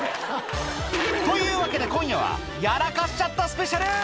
というわけで、今夜はやらかしちゃったスペシャル。